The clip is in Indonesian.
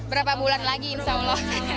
berapa bulan lagi insya allah